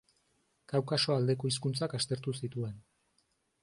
Kaukaso aldeko hizkuntzak aztertu zituen.